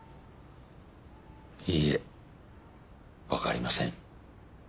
いいえ分かりません。